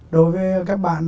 đối với các bạn